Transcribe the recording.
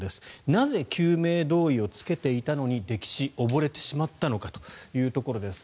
なぜ救命胴衣を着けていたのに溺死、溺れてしまったのかというところです。